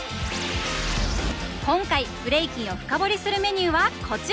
今回ブレイキンを深掘りするメニューはこちら！